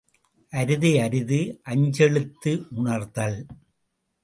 அரிது அரிது, அஞ்செழுத்து உணர்த்தல்.